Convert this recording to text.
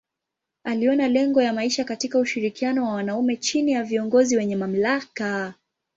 Aliona lengo ya maisha katika ushirikiano wa wanaume chini ya viongozi wenye mamlaka.